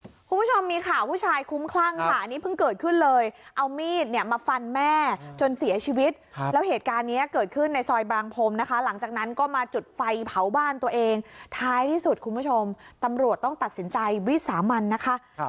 คุณผู้ชมมีข่าวผู้ชายคุ้มคลั่งค่ะอันนี้เพิ่งเกิดขึ้นเลยเอามีดเนี่ยมาฟันแม่จนเสียชีวิตครับแล้วเหตุการณ์เนี้ยเกิดขึ้นในซอยบางพรมนะคะหลังจากนั้นก็มาจุดไฟเผาบ้านตัวเองท้ายที่สุดคุณผู้ชมตำรวจต้องตัดสินใจวิสามันนะคะ